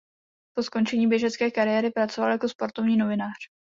Po skončení běžecké kariéry pracoval jako sportovní novinář.